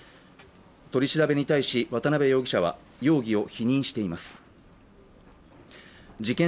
取り調べに対し渡部容疑者は容疑を否認しています事件